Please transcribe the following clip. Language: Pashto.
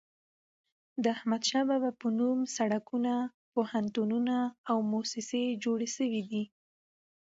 د احمد شاه بابا په نوم سړکونه، پوهنتونونه او موسسې جوړي سوي دي.